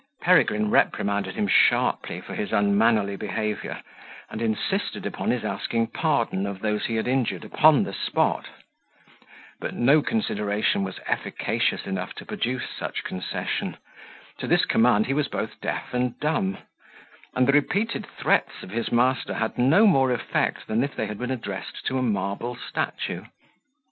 Peregrine reprimanded him sharply for his unmannerly behaviour, and insisted upon his asking pardon of those he had injured upon the spot: but no consideration was efficacious enough to produce such concession; to this command he was both deaf and dumb; and the repeated threats of his master had no more effect than if they had been addressed to a marble statue.